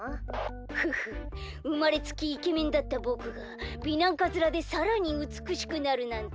ふふうまれつきイケメンだったぼくが美男カズラでさらにうつくしくなるなんて。